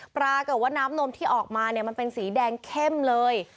ปรากฏว่าน้ำนมที่ออกมาเนี่ยมันเป็นสีแดงเข้มเลย